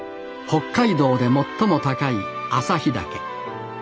北海道で最も高い旭岳。